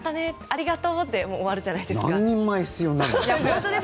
ありがとうで終わるじゃないですか。